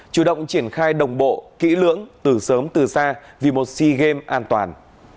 chủ động triển khai đồng bộ kỹ lưỡng từ sớm từ xa vì một sea games an toàn